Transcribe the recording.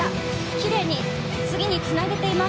きれいに次につなげています。